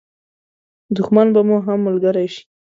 دښمن به مو هم ملګری شي.